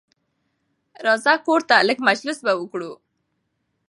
راځه کورته لېږ مجلس به وکړو